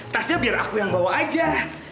tas dia biar aku yang bawa aja ya